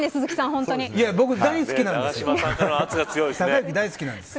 僕、隆行、大好きなんです。